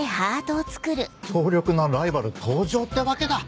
強力なライバル登場ってわけだ！